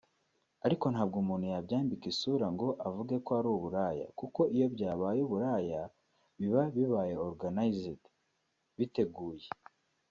ariko ntabwo umuntu yabyambika isura ngo avuge ko ari uburaya kuko iyo byabaye uburaya biba bibaye ‘organised’ [biteguye]